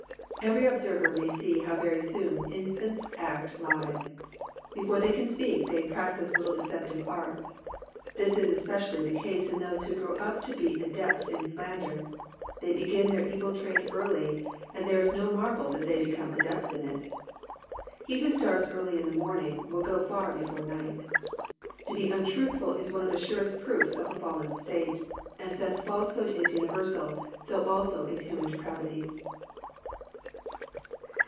'''* Every observer may see how very soon infants act lies. Before they can speak they practise httle deceptive arts. This is especially the case in those who grow up to be adepts in slander, they begin their evil trade early, and there is no marvel that they become adepts in it. He who starts early in the morning will go far before night. To be untruthful is one of the surest proofs of a fallen state, and since falsehood is universal, so also is human depravity.